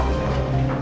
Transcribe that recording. comin duh lagi